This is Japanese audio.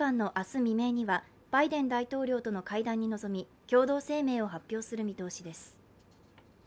未明にはバイデン大統領との会談に臨み共同声明を発表する見通しです。